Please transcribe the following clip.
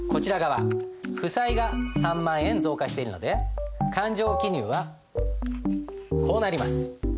負債が３万円増加しているので勘定記入はこうなります。